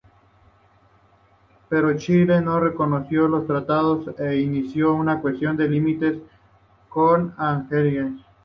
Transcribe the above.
Pero Chile no reconoció los tratados e inició una cuestión de límites con Argentina.